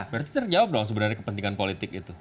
berarti terjawab dong sebenarnya kepentingan politik itu